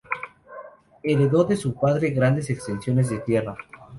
Heredó de su padre grandes extensiones de tierra.